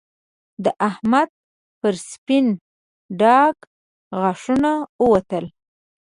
د احمد پر سپين ډاګ غاښونه ووتل